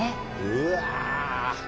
うわ。